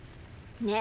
ね